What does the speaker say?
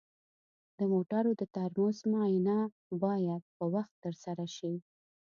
د موټرو د ترمز معاینه باید په وخت ترسره شي.